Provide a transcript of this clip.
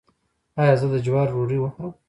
ایا زه د جوارو ډوډۍ وخورم؟